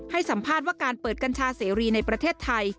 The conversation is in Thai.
ให้สัมภาษณ์ว่าการเปิดกัญชาเสรีในประเทศไทย